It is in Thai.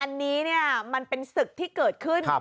อันนี้มันเป็นศึกที่เกิดขึ้น